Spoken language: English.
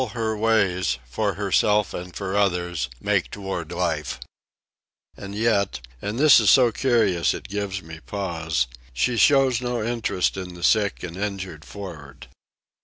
All her ways, for herself and for others, make toward life. And yet—and this is so curious it gives me pause—she shows no interest in the sick and injured for'ard.